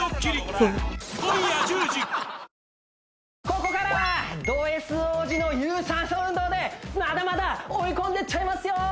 ここからはドＳ王子の有酸素運動でまだまだ追い込んでっちゃいますよ